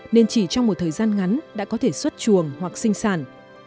nên chỉ trong một thời gian ngắn đã có thể xuất chuồng hoặc sinh sản